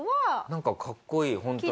なんかかっこいいホントに。